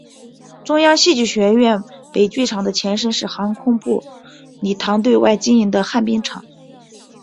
中央戏剧学院北剧场的前身是航空部礼堂对外经营的旱冰场。